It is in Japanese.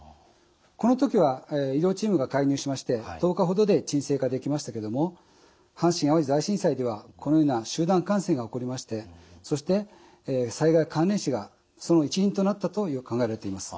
この時は医療チームが介入しまして１０日ほどで鎮静化できましたけども阪神・淡路大震災ではこのような集団感染が起こりましてそして災害関連死その一因となったと考えられています。